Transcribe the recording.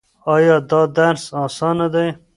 ایا دا درس اسانه دی؟